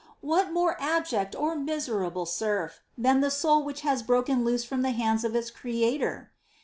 What more abject or miserable serf than the soul which has broken loose from the hands of its Creator